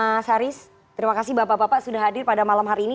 mas haris terima kasih bapak bapak sudah hadir pada malam hari ini